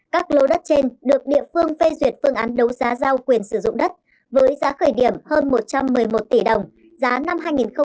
các lô đất trên được địa phương phê duyệt phương án đấu giá giao quyền sử dụng đất với giá khởi điểm hơn một trăm một mươi một tỷ đồng giá năm hai nghìn một mươi chín